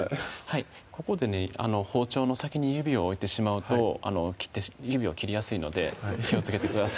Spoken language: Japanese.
はいここでね包丁の先に指を置いてしまうと指を切りやすいので気をつけてください